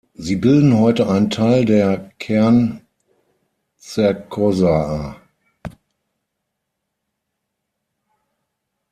Sie bilden heute einen Teil der Kern-Cercozoa.